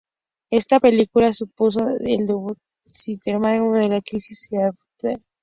Esta película supuso el debut cinematográfico de la actriz Jean Peters.